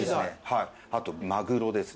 あとマグロです。